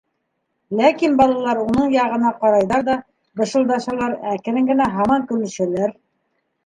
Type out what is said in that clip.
Ләкин балалар уның яғына ҡарайҙар ҙа бышылдашалар, әкрен генә һаман көлөшәләр.